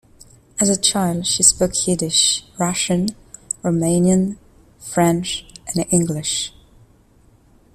As a child, she spoke Yiddish, Russian, Romanian, French and English.